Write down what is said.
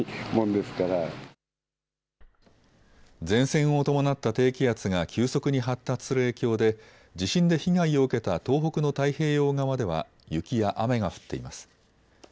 前線を伴った低気圧が急速に発達する影響で地震で被害を受けた東北の太平洋側では雪や雨が降っています。